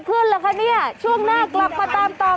กูมีคลิปเสียง